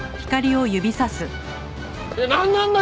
なんなんだ？